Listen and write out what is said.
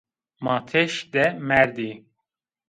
Ma têş de merdî